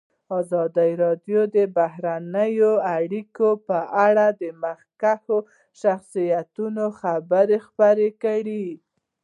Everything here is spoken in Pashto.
ازادي راډیو د بهرنۍ اړیکې په اړه د مخکښو شخصیتونو خبرې خپرې کړي.